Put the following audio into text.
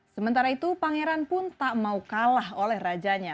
sementara itu pangeran pun tak mau kalah oleh rajanya